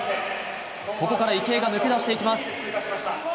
ここから池江が抜け出していきます。